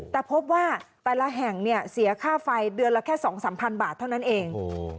แต่พบว่าแต่ละแห่งเนี่ยเสียค่าไฟเดือนละแค่๒๓๐๐บาทเท่านั้นเอง